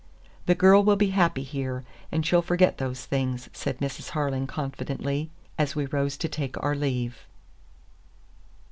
"The girl will be happy here, and she'll forget those things," said Mrs. Harling confidently, as we rose to take our leave.